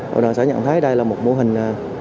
hội đoàn xã nhận thấy đây là một mô hình